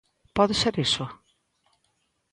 ¿Pode ser iso?